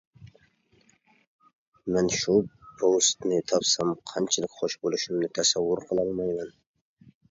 مەن شۇ پوۋېستنى تاپسام قانچىلىك خۇش بولۇشۇمنى تەسەۋۋۇر قىلالمايمەن.